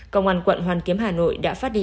công an quận hoàn kiếm hà nội đã phát đi